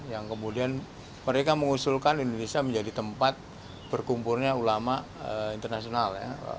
yang kemudian mereka mengusulkan indonesia menjadi tempat berkumpulnya ulama internasional